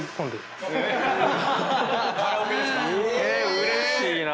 うれしいなぁ。